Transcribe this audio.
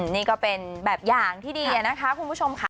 นี่ก็เป็นแบบอย่างที่ดีนะคะคุณผู้ชมค่ะ